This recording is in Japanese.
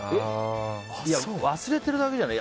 忘れてるだけじゃない？